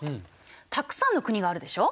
たくさんの国があるでしょう？